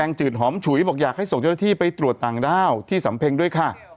จืดหอมฉุยบอกอยากให้ส่งเจ้าหน้าที่ไปตรวจต่างด้าวที่สำเพ็งด้วยค่ะ